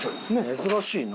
珍しいな。